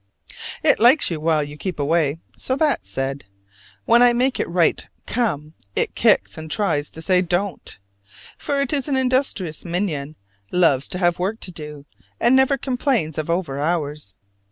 It likes you while you keep away: so that's said! When I make it write "come," it kicks and tries to say "don't." For it is an industrious minion, loves to have work to do, and never complains of overhours.